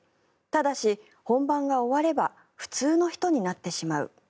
ただし、本番が終われば普通の人になってしまう。